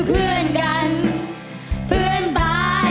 เพื่อนเลือกกันเพื่อนตายตลอดไป